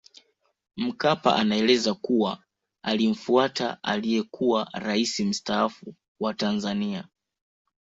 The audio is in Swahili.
Mkapa anaeleza kuwa alimfuata aliyekuwa rais mstaafu wa Tanzania